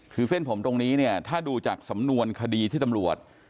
คือเส้นผมตรงนี้เนี่ยถ้าดูจากสำนวนคดีที่ตำรวจ